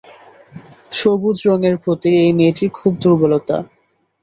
সবুজ রঙের প্রতি এই মেয়েটির খুব দুর্বলতা।